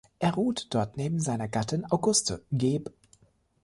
Er ruht dort neben seiner Gattin Auguste geb.